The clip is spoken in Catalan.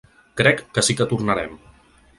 Crec que sí que tornarem.